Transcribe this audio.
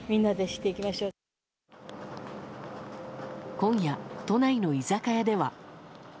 今夜、都内の居酒屋では。